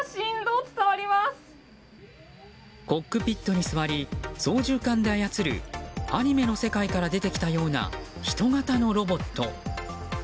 コックピットに座り操縦桿で操るアニメの世界から出てきたような人型のロボット。